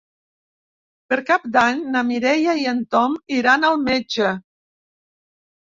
Per Cap d'Any na Mireia i en Tom iran al metge.